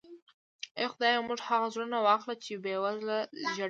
اې خدایه موږ هغه زړونه واخله چې بې وزله ژړوي.